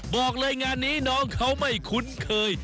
บอกเลยงานนี้น้องเขาไม่คุ้นเคย